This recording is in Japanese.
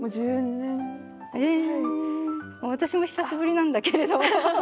私も久しぶりなんだけれど。